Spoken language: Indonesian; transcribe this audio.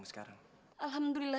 eh jangan lari lu